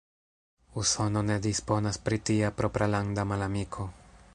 Usono ne disponas pri tia propralanda malamiko.